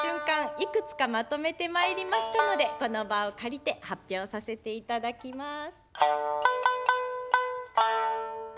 いくつかまとめてまいりましたのでこの場を借りて発表させていただきます。